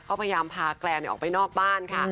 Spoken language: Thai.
เขาพยายามพาแกรนออกไปนอกบ้านค่ะ